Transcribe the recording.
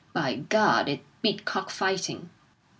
By Gad, it beat cock fighting!"